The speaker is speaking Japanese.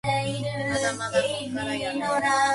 まだまだこっからやでぇ